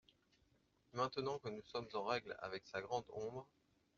Et maintenant que nous sommes en règle avec sa grande ombre …